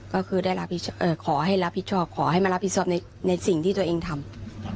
ก็คือได้รับขอให้รับผิดชอบขอให้มารับผิดชอบในสิ่งที่ตัวเองทำ